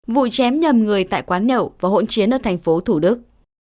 vụ chém nhầm người tại quán nhậu và hỗn chiến ở thành phố thủ đức